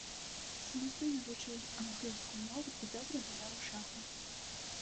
Самастойна вучыў англійскую мову і добра гуляў у шахматы.